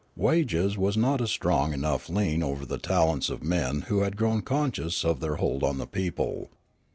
Wages w'as not a strong enough lien over the talents of men who had grown conscious of their hold on the people.